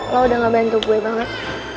lo udah gak bantu gue banget